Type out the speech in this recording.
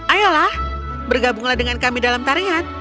ayolah bergabunglah dengan kami dalam tarian